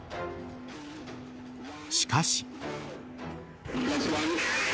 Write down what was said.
しかし。